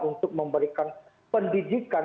untuk memberikan pendidikan